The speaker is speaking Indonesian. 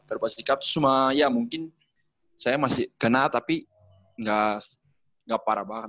perbas sikap itu cuma ya mungkin saya masih kena tapi ga parah banget